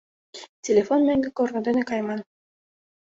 Телефон меҥге корно дене кайыман.